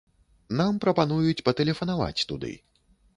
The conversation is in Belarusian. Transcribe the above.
Нам прапануюць патэлефанаваць туды.